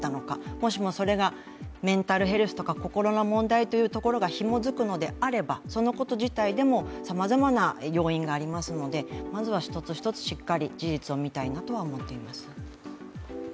もしもそれがメンタルヘルスとか心の問題というところがひもづくのであれば、そのこと自体でもさまざまな要因がありますのでまずは一つ一つしっかり事実を見たいなと思っています。